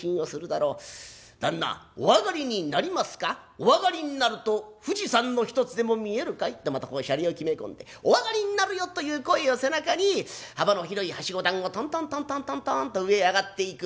『お上がりになると富士山の一つでも見えるかい』とまたシャレを決め込んで『お上がりになるよ』という声を背中に幅の広いはしご段をトントントントントントンと上へ上がっていく。